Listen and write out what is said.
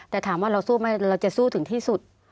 แต่ถามว่าเราสู้ไหมเราจะสู้ถึงที่สุด